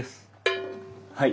はい。